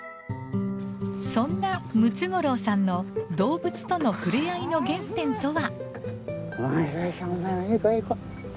そんなムツゴロウさんの動物との触れ合いの原点とは。